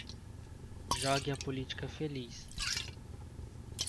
Jogue a política feliz